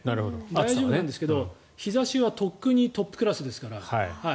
大丈夫なんですけど日差しはとっくにトップクラスですから。